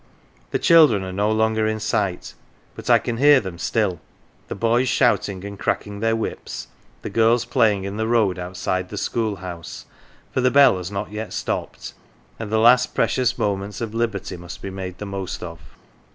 The children are no longer in sight, but I can hear them still, the boys shouting and cracking their whips, the girls playing in the road outside the school house, for the bell has not yet stopped, and the last precious moments of liberty must be made the most of.